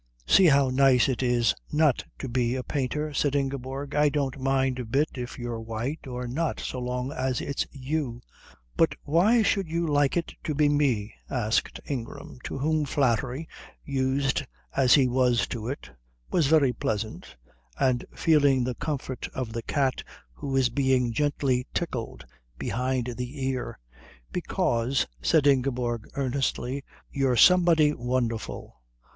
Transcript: "See how nice it is not to be a painter," said Ingeborg. "I don't mind a bit if you're white or not so long as it's you." "But why should you like it to be me?" asked Ingram, to whom flattery, used as he was to it, was very pleasant, and feeling the comfort of the cat who is being gently tickled behind the ear. "Because," said Ingeborg earnestly, "you're somebody wonderful."